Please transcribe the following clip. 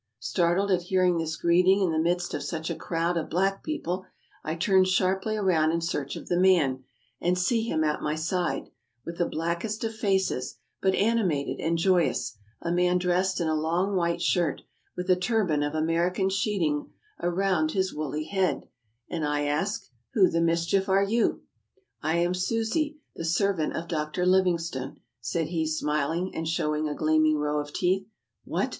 Startled at hearing this greeting in the midst of such a crowd of black people, I turn sharply around in search of the man, and see him at my side, with the blackest of faces, but ani mated and joyous — a man dressed in a long white shirt, with a turban of American sheeting around Lis woolly head, and I ask, "Who the mischief are you?" "I am Susi, the servant of Dr. Livingstone," said he, smiling, and show ing a gleaming row of teeth. "What!